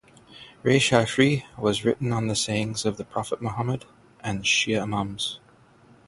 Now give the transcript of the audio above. Reyshahri has written on the sayings of the prophet Mohammad and Shia Imams.